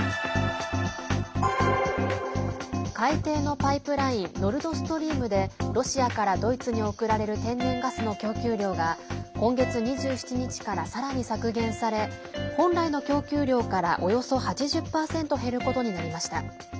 海底のパイプラインノルドストリームでロシアからドイツに送られる天然ガスの供給量が今月２７日から、さらに削減され本来の供給量からおよそ８０％減ることになりました。